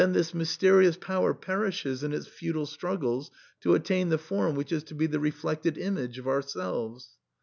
this mysterious power perishes in its futile struggles to attain the form which is to be the reflected image of ourselves.